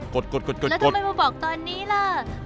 แล้วทำไมมาบอกตอนนี้ล่ะ